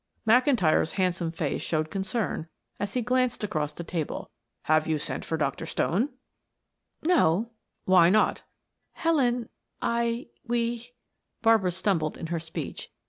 McIntyre's handsome face showed concern as he glanced across the table. "Have you sent for Dr. Stone?" "No." "Why not?" "Helen I we" Barbara stumbled in her speech.